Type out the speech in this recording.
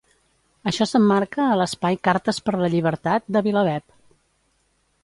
Això s'emmarca a l'espai Cartes per la Llibertat de Vilaweb.